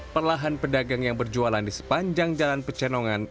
perlahan pedagang yang berjualan di sepanjang jalan pecenongan